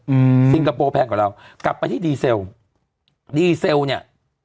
อืมซิงปโปแพงกว่าเรากลับไปที่ดีเซลเนี้ย